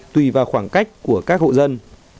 tùy vào khoảng cách của các hộ dân